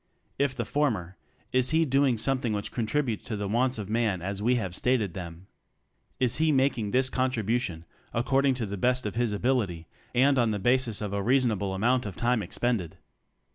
If the former, is he doing something which contributes to the wants of man as we have stated them? Is he making this contribution according to the best of his ability, and on the basis of a reasonable amount of time expended?